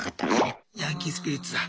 ヤンキースピリッツだ。